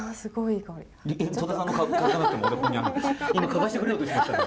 今嗅がしてくれようとしましたよね？